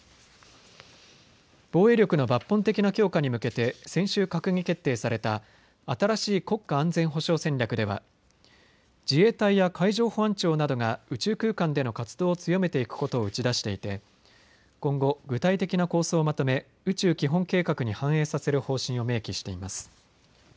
防衛力の抜本的な強化に向けて先週、閣議決定された新しい国家安全保障戦略では自衛隊や海上保安庁などが宇宙空間での活動を強めていくことを打ち出していて今後、具体的な構想をまとめ宇宙基本計画に反映させる方針を明記しています。